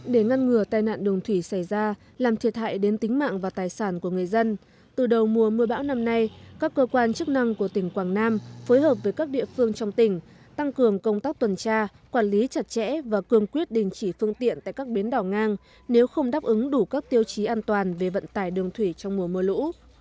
để ngăn ngừa tai nạn đường thủy xảy ra làm thiệt hại đến tính mạng và tài sản của người dân từ đầu mùa mưa bão năm nay các cơ quan chức năng của tỉnh quảng nam phối hợp với các địa phương trong tỉnh tăng cường công tác tuần tra quản lý chặt chẽ và cường quyết đình chỉ phương tiện tại các bến đỏ ngang nếu không đáp ứng đủ các tiêu chí an toàn về vận tải đường thủy trong mùa mưa lũ